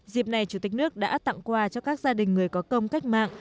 dịp này chủ tịch nước đã tặng quà cho các gia đình người có công cách mạng